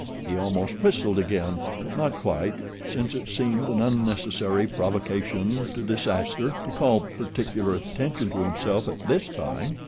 He almost whistled again; but not quite, since it seemed an unnecessary provocation to disaster to call particular attention to himself at this time.